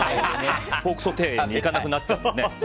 ポークソテーにいかなくなっちゃうのでね。